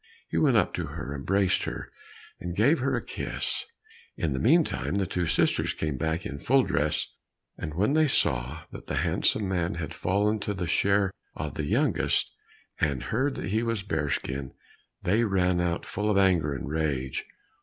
He went up to her, embraced her, and gave her a kiss. In the meantime the two sisters came back in full dress, and when they saw that the handsome man had fallen to the share of the youngest, and heard that he was Bearskin, they ran out full of anger and rage.